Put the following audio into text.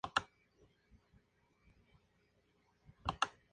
Pero en el proceso, miles de millones de Kree fueron asesinados.